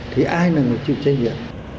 thì ai là người chịu trách nhiệm